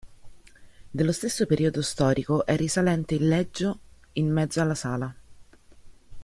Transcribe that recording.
Dello stesso periodo storico è risalente il leggio in mezzo alla sala.